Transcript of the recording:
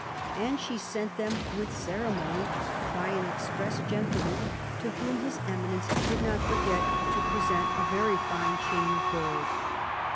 "And she sent them with ceremony by an express Gentleman, to whom His Eminence did not forget to present a very fine chain of gold."